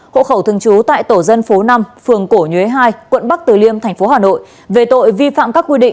hộ khẩu thương chú tại tổ dân phố năm phường cổ nhuế hai quận bắc từ liêm tp hà nội